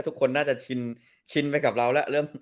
ทุกคนน่าจะชินไปกับเราแล้ว